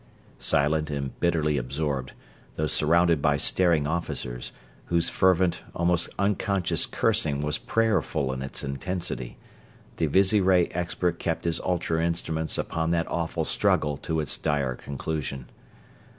Silent and bitterly absorbed, though surrounded by staring officers, whose fervent, almost unconscious cursing was prayerful in its intensity, the visiray expert kept his ultra instruments upon that awful struggle to its dire conclusion.